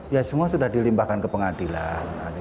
ya semua sudah dilimpahkan ke pengadilan